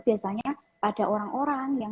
biasanya pada orang orang yang